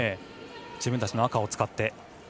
自分たちの赤を使って。